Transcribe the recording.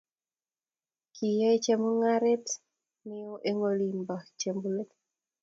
kiyae chemungaret neo eng oli bo chembulet